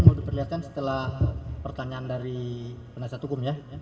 mau diperlihatkan setelah pertanyaan dari penasihat hukum ya